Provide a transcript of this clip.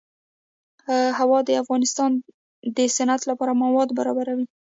هوا د افغانستان د صنعت لپاره مواد برابروي.